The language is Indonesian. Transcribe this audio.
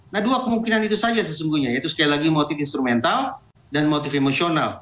nah dua kemungkinan itu saja sesungguhnya yaitu sekali lagi motif instrumental dan motif emosional